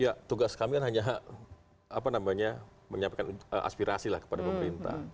ya tugas kami hanya apa namanya menyampaikan aspirasi lah kepada pemerintah